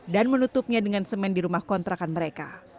dan menutupnya dengan semen di rumah kontrakan mereka